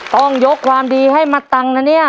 ต้องยกความดีให้มาตังค์นะเนี่ย